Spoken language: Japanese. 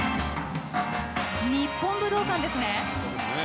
日本武道館ですね。